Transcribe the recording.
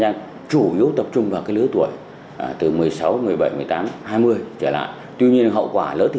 hoặc bột phát tất hời